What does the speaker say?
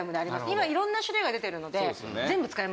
今色んな種類が出てるので全部使いますね。